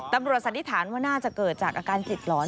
สันนิษฐานว่าน่าจะเกิดจากอาการจิตหลอน